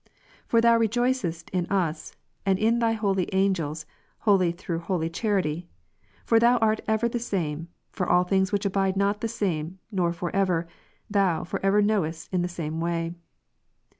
For Thou I'e joicest in us, and in Thy holy angels, holy through holy charity. For Thou art ever the same ; for all things which abide not the same nor for ever, Thou for ever knowest in the same way.